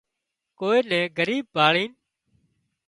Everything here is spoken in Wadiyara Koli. ڪوئي نين ڳريٻ ڀاۯينَ